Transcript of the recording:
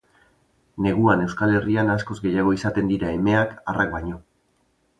Neguan Euskal Herrian askoz gehiago izaten dira emeak arrak baino.